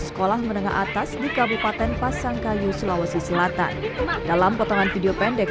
sekolah menengah atas di kabupaten pasangkayu sulawesi selatan dalam potongan video pendek